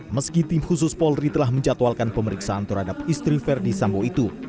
meski tim khusus polri telah menjatuhalkan pemeriksaan terhadap istri verdi sambo itu